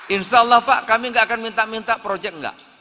insyaallah pak kami tidak akan minta minta projek enggak